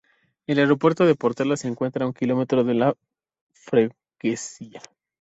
El Aeropuerto de Portela se encuentra a un kilómetro de la freguesía.